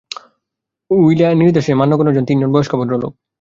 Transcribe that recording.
Willey নির্দেশ আছে মান্যগণ্য তিনজন বয়স্ক ভদ্রলোক।